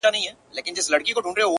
څوک ده چي راګوري دا و چاته مخامخ يمه-